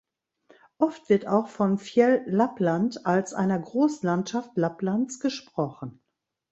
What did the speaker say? Oft wird auch von Fjell-Lappland als einer Großlandschaft Lapplands gesprochen.